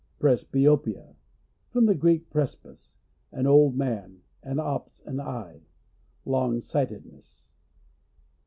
Presbyopia. — From the Greek, pres bus, an old man, and ops, an eye — Longsightedness.